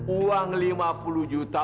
uang lima puluh juta